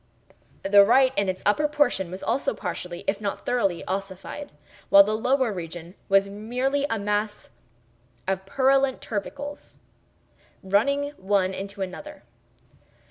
The right, in its upper portion, was also partially, if not thoroughly, ossified, while the lower region was merely a mass of purulent tubercles, running one into another.